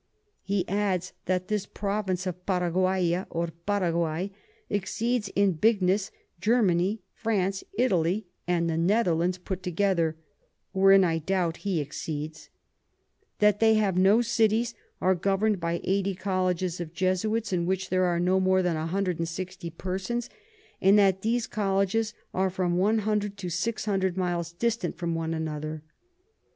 He adds, that this Province of Paraquaria or Paraguay exceeds in bigness Germany, France, Italy, and the Netherlands put together; (wherein I doubt he exceeds:) That they have no Cities, and are govern'd by 80 Colleges of Jesuits, in which there are no more than 160 Persons; and that these Colleges are from 100 to 600 Miles distant from one another.